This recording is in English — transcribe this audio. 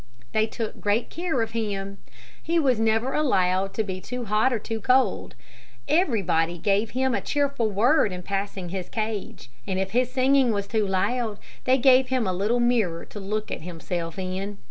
They took great care of him. He was never allowed to be too hot or too cold. Everybody gave him a cheerful word in passing his cage, and if his singing was too loud, they gave him a little mirror to look at himself in.